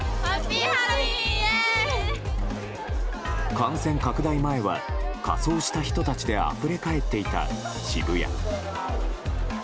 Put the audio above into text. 感染拡大前は仮装した人たちであふれかえっていた渋谷。